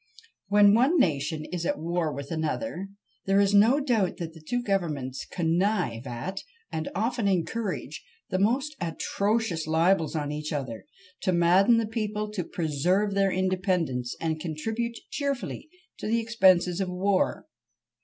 When one nation is at war with another, there is no doubt that the two governments connive at, and often encourage, the most atrocious libels on each other, to madden the people to preserve their independence, and contribute cheerfully to the expenses of the war.